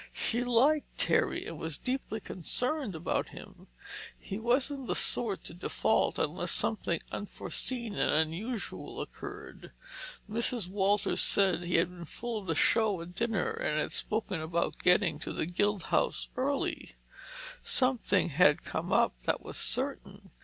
She liked Terry and was deeply concerned about him. He wasn't the sort to default unless something unforeseen and unusual occurred. Mrs. Walters said he had been full of the show at dinner and had spoken about getting to the Guild House early. Something had come up, that was certain.